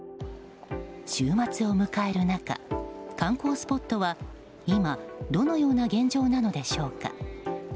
週末を迎える中、観光スポットは今、どのような現状なのでしょうか。